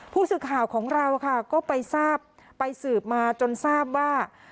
ผู้สืบข่าวของเราค่ะก็สืบมาจนทราบว่า